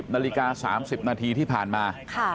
นาฬิกา๓๐นาทีที่ผ่านมา